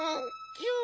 キュ。